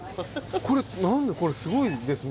これ何すごいですね